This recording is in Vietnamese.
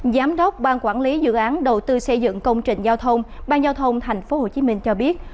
giám đốc ban quản lý dự án đầu tư xây dựng công trình giao thông bang giao thông tp hcm cho biết